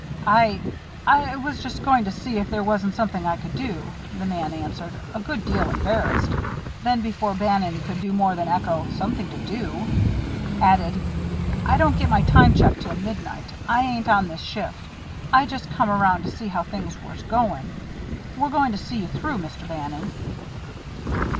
"I I was just going to see if there wasn't something I could do," the man answered, a good deal embarrassed. Then before Bannon could do more than echo, "Something to do?" added: "I don't get my time check till midnight. I ain't on this shift. I just come around to see how things was going. We're going to see you through, Mr. Bannon."